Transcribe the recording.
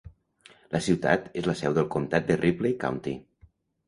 La ciutat és la seu del comtat de Ripley County.